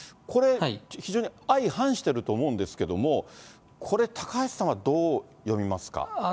これ、非常に相反していると思うんですけれども、これ、高橋さんはどう読みますか。